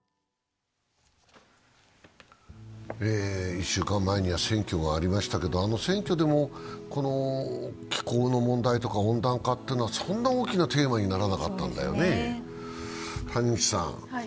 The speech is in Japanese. １週間前には選挙がありましたけれどもあの選挙でも気候の問題とか温暖化とかそんな大きなテーマにならなかったんだよね。